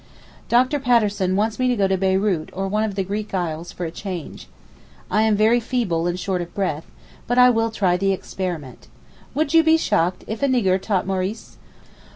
Dr. Patterson wants me to go to Beyrout or one of the Greek isles for a change. I am very feeble and short of breath—but I will try the experiment. Would you be shocked if a nigger taught Maurice?